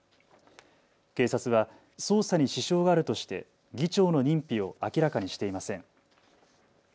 警察は捜査に支障があるとして議長の認否を明らかにしていません。